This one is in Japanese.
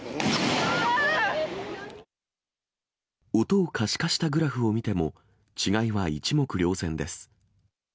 音を可視化したグラフを見ても、違いは一目瞭然です。